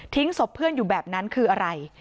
ศพเพื่อนอยู่แบบนั้นคืออะไร